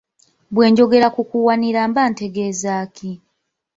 Bwe njogera ku kuwanira mba ntegeeza ki?